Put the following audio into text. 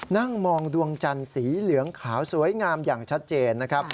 นั่งมองดวงจันทร์สีเหลืองขาวสวยงามอย่างชัดเจนนะครับ